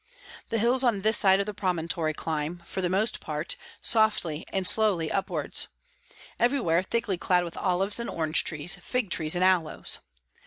The hills on this side of the promontory climb, for the most part, softly and slowly upwards, everywhere thickly clad with olives and orange trees, fig trees and aloes.